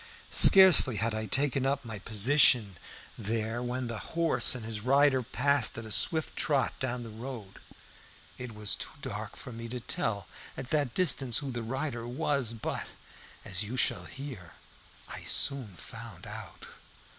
Scarcely had I taken up my position there when the horse and his rider passed at a swift trot down the road. It was too dark for me to tell at that distance who the rider was, but, as you shall hear, I soon found out.